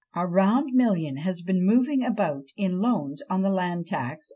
A round million has been moving about in loans on the land tax, &c.